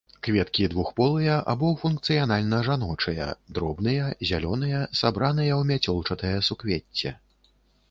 Кветкі двухполыя або функцыянальна жаночыя, дробныя, зялёныя, сабраныя ў мяцёлчатае суквецце.